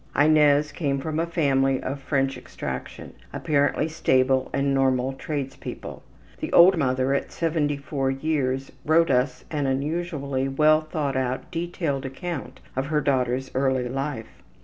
Inez came from a family of French extraction, apparently stable and normal tradespeople. The old mother at 74 years wrote us an unusually well thought out, detailed account of her daughter's early life.